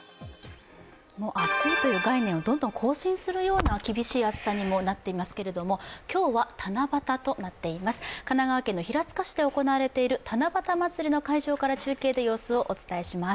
暑いという概念をどんどん更新するような暑さになってますけども今日は七夕となっています、神奈川県の平塚市で行われている七夕まつりの会場から中継で様子をお伝えします。